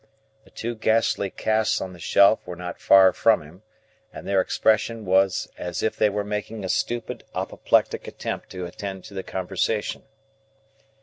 The two ghastly casts on the shelf were not far from him, and their expression was as if they were making a stupid apoplectic attempt to attend to the conversation.